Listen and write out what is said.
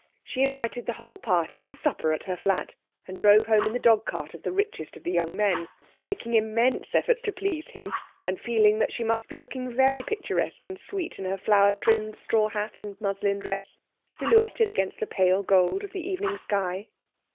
She invited the whole party to supper at her flat, and drove home in the dog cart of the richest of the young men, making immense efforts to please him, and feeling that she must be looking very picturesque and sweet in her flower trimmed straw hat and muslin dress, silhouetted against the pale gold of the evening sky.